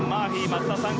松田さん